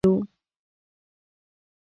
مځکه که غوسه شي، موږ بېکسه یو.